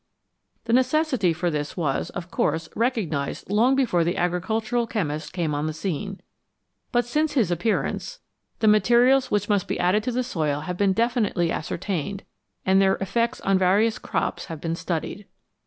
The necessity for this was, of course, recognised long before the agricultural chemist came on the scene, but since his appearance the materials 223 CHEMISTRY AND AGRICULTURE which must be added to the soil have been definitely ascertained and their effects on various crops have been studied.